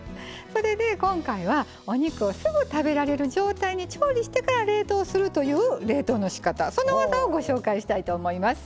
それで今回はお肉をすぐ食べられる状態に調理してから冷凍するという冷凍のしかたその技をご紹介したいと思います。